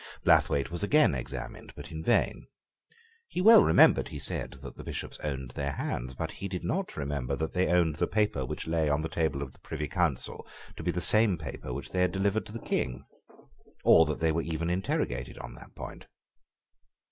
Blathwayt was again examined, but in vain. He well remembered, he said, that the Bishops owned their hands; but he did not remember that they owned the paper which lay on the table of the Privy Council to be the same paper which they had delivered to the King, or that they were even interrogated on that point.